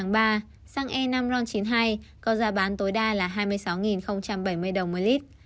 ngày một ba xăng e năm ron chín mươi hai có giá bán tối đa là hai mươi sáu bảy mươi đồng một lít